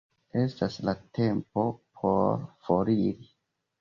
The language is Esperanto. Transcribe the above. Estas la tempo por foriri.